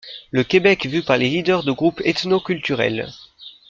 Le Québec vu par les leaders de groupes ethnoculturels.